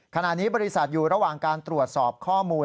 ขณะนี้บริษัทอยู่ระหว่างการตรวจสอบข้อมูล